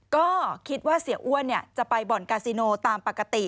ก็คิดว่าเสียอ้วนจะไปบ่อนกาซิโนตามปกติ